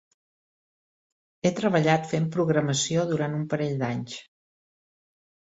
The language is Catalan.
He treballat fent programació durant un parell d'anys.